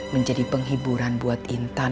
menjadi penghiburan buat intan